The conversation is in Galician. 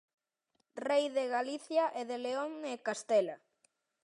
Rei de Galicia e de León e Castela.